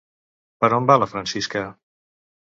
Per on va la Francisca?